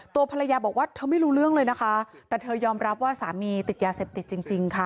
ตัวภรรยาบอกว่าเธอไม่รู้เรื่องเลยนะคะแต่เธอยอมรับว่าสามีติดยาเสพติดจริงค่ะ